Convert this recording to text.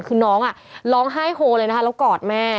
คือน้องร้องไห้โฮเลยนะคะแล้วกอดแม่